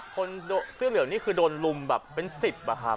คนเสื้อเหลืองนี่คือโดนลุมแบบเป็น๑๐อะครับ